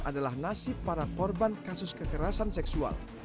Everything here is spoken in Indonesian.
adalah nasib para korban kasus kekerasan seksual